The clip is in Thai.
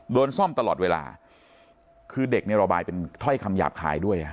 โดนซ่อมตลอดเวลาคือเด็กเนี่ยระบายเป็นถ้อยคำหยาบคายด้วย